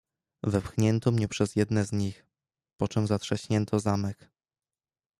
"Wepchnięto mnie przez jedne z nich, poczem zatrzaśnięto zamek."